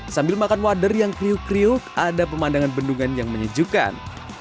sambil makan wader yang kriuk kriuk ada pemandangan bendungan yang menyejukkan